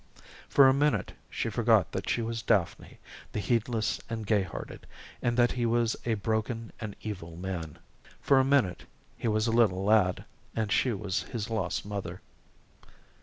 For a minute she forgot that she was Daphne, the heedless and gay hearted, and that he was a broken and an evil man. For a minute he was a little lad, and she was his lost mother.